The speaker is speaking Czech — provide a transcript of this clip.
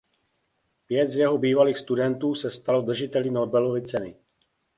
Pět z jeho bývalých studentů se stalo držiteli Nobelovy ceny.